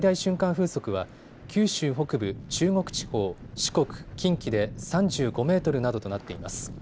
風速は九州北部、中国地方、四国、近畿で３５メートルなどとなっています。